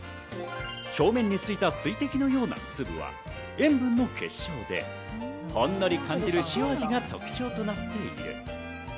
表面についた水滴のような粒は塩分の結晶で、ほんのり感じる塩味が特徴となっている。